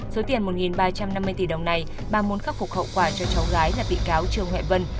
số tiền một ba trăm năm mươi tỷ đồng này bà muốn khắc phục hậu quả cho cháu gái là bị cáo trương huệ vân